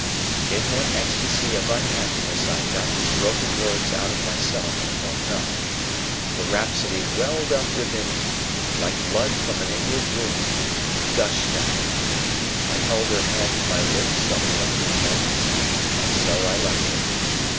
In what ecstasy of unhappiness I got these broken words out of myself, I don't know. The rhapsody welled up within me, like blood from an inward wound, and gushed out. I held her hand to my lips some lingering moments, and so I left her.